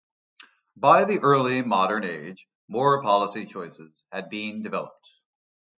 By the early modern age, more policy choices had been developed.